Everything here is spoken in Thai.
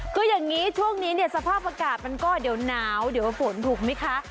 คืออย่างนี้ช่วงนี้เนี่ยสภาพอากาศมันก็เดี๋ยวหนาวเดี๋ยวฝนถูกไหมคะ